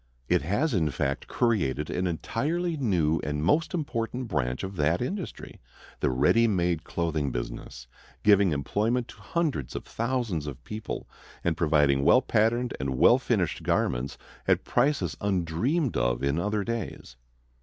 It has in fact created an entirely new and most important branch of that industry, the ready made clothing business, giving employment to hundreds of thousands of people, and providing well patterned and well finished garments at prices undreamed of in other days.